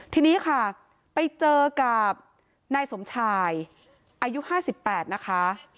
ทีนี้ค่ะไปเจอกับนายสมชายอายุ๕๘นะคะ